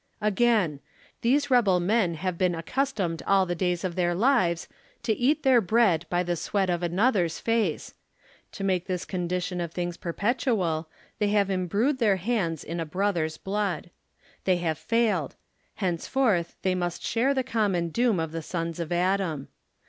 Again. These rebel men have been accustomed all the days of their lives to eat their bread by the sweat of anoth er's face ; to make this condition of things perpetual, they have imbrued their hands in a brother's blood. They have failed ; henceforth they must share the common doom of the sons of Adam.